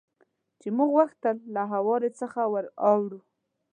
چې موږ غوښتل له هوارې څخه ور اوړو.